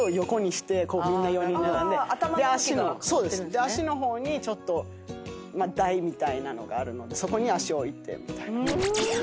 で足の方に台みたいなのがあるのでそこに足を置いてみたいな。